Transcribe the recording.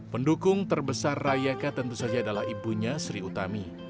pendukung terbesar rayaka tentu saja adalah ibunya sri utami